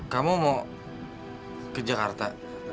kamu mau ke jakarta